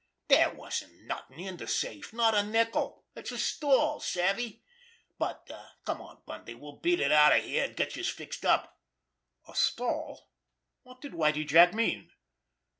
Dere wasn't nothin' in de safe! Not a nickel! It's a stall—savvy? But, come on, Bundy, we'll beat it out of here, an' get youse fixed up." A stall! What did Whitie Jack mean?